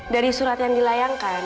dari surat yang dilayangkan